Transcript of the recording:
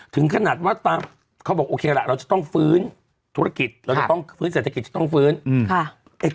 ถึงขนาดว่าตามเขาบอกโอเคล่ะเราจะต้องฟื้นธุรกิจเราจะต้องฟื้นเศรษฐกิจจะต้องฟื้น